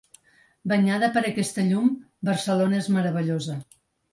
Banyada per aquesta llum, Barcelona és meravellosa.